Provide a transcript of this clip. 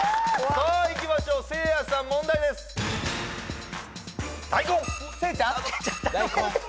さあいきましょうせいやさん問題ですだいこん！